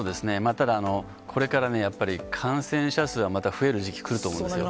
ただ、これからね、やっぱり、感染者数はまた増える時期、来ると思いますよ。